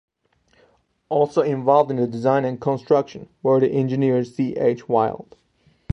Also involved in the design and construction were the engineer C. H. Wild.